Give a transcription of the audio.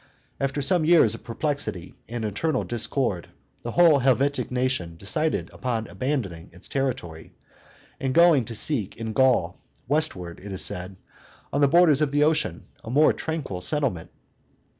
After some years of perplexity and internal discord, the whole Helvetic nation decided upon abandoning its territory, and going to seek in Gaul, westward, it is said, on the borders of the ocean, a more tranquil settlement.